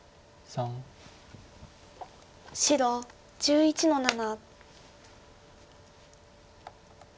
白１１の七。